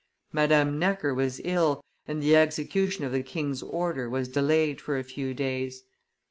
Madame Necker was ill, and the execution of the king's order was delayed for a few days.